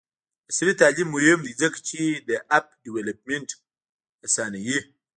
عصري تعلیم مهم دی ځکه چې د اپ ډیولپمنټ اسانوي.